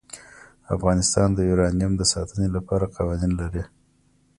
افغانستان د یورانیم د ساتنې لپاره قوانین لري.